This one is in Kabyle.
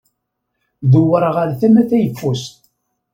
Dewwṛeɣ ar tama tayeffust.